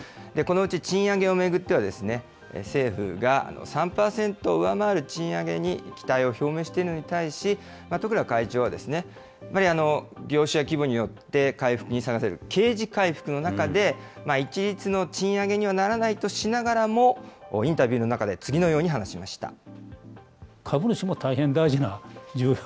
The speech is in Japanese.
このうち、賃上げを巡っては、政府が３％を上回る賃上げに期待を表明しているのに対し、十倉会長は、業種や規模によって回復に差が出るＫ字回復の中で、一律の賃上げにはならないとしながらも、インタビューの中で次のように話しました。